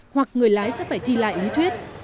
hoặc người lái sẽ phải thi lại lý thuyết